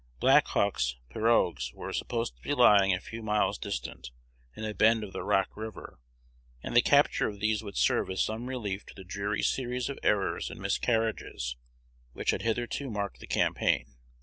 Black Hawk's pirogues were supposed to be lying a few miles distant, in a bend of the Rock River; and the capture of these would serve as some relief to the dreary series of errors and miscarriages which had hitherto marked the campaign.